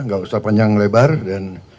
gak usah panjang lebar dan